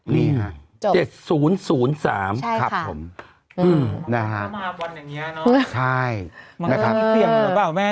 นี่ค่ะ๗๐๐๓ครับผมนะครับใช่ค่ะมันมีปรีกเปลี่ยงเหมือนกันหรือเปล่าแม่๗๐๐๓